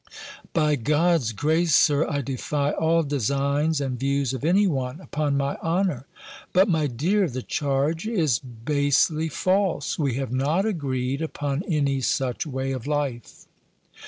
"By God's grace, Sir, I defy all designs and views of any one, upon my honour!" "But, my dear, the charge is basely false: we have not agreed upon any such way of life."